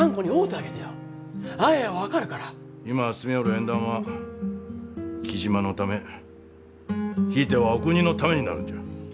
今進みょおる縁談は雉真のためひいてはお国のためになるんじゃ。